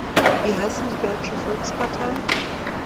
Wie heißen die deutschen Volksparteien?